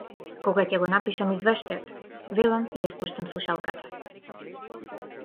Кога ќе го напишам извештајот, велам и ја спуштам слушалката.